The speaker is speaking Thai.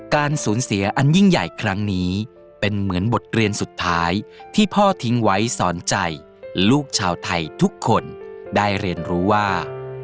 การสูญเสียอันยิ่งใหญ่ครั้งนี้เป็นเหมือนบทเรียนสุดท้ายที่พ่อทิ้งไว้สอนใจลูกชาวไทยทุกคนได้เรียนรู้ว่า